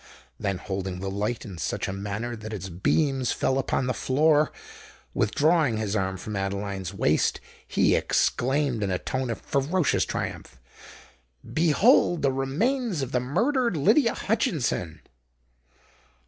Then, holding the light in such a manner that its beams fell upon the floor, and withdrawing his arm from Adeline's waist, he exclaimed in a tone of ferocious triumph, "Behold the remains of the murdered Lydia Hutchinson!"